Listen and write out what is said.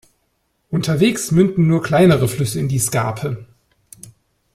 Unterwegs münden nur kleinere Flüsse in die Scarpe.